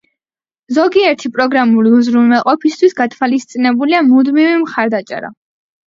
ზოგიერთი პროგრამული უზრუნველყოფისთვის გათვალისწინებულია მუდმივი მხარდაჭერა.